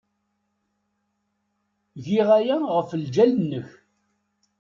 Giɣ aya ɣef lǧal-nnek.